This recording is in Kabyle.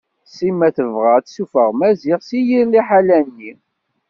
Sima tebɣa ad tessuffeɣ Maziɣ deg yir liḥala-nni.